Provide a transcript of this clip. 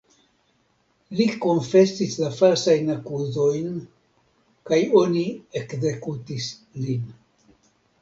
Li konfesis la falsajn akuzojn kaj oni ekzekutis lin.